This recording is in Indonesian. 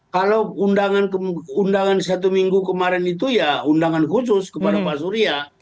kalau undangan satu minggu kemarin itu ya undangan khusus kepada pak surya